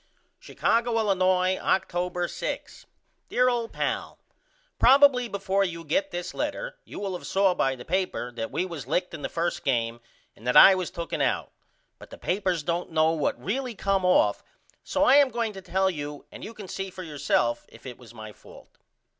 Chicago, Illinois, October 6. DEAR OLD PAL: Probily before you get this letter you will of saw by the paper that we was licked in the first game and that I was tooken out but the papers don't know what really come off so I am going to tell you and you can see for yourself if it was my fault.